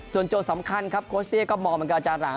โจทย์สำคัญครับโคชเตี้ยก็มองเหมือนกับอาจารย์หลัง